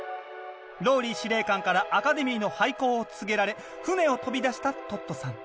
ＲＯＬＬＹ司令官からアカデミーの廃校を告げられ船を飛び出したトットさん。